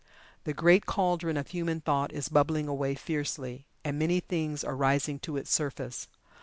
The great cauldron of human thought is bubbling away fiercely, and many things are rising to its surface.